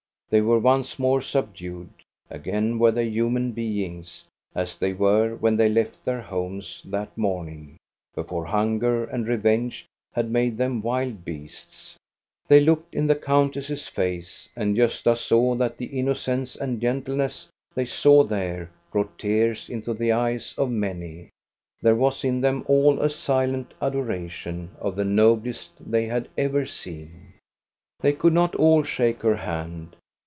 They were once more subdued; again were they human beings, as they were when they left their homes that morning, before hunger and revenge had made them wild beasts. They looked in the countess's face, and Gosta saw that the innocence and gentleness they saw there brought tears into the eyes of many. There was in THE BROOM GIRL 4IS them all a silent adoration of the noblest they had ever seen. They could not all shake her hand.